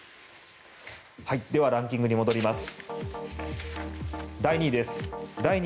ランキングに戻ります。